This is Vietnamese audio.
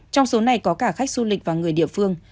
trong số này có cả khách du lịch và người địa phương